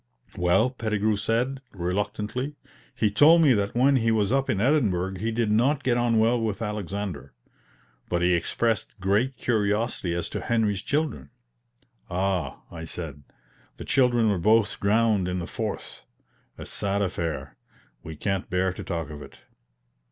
"Well," Pettigrew said, reluctantly, "he told me that when he was up in Edinburgh he did not get on well with Alexander. But he expressed great curiosity as to Henry's children." "Ah," I said, "the children were both drowned in the Forth; a sad affair we can't bear to talk of it."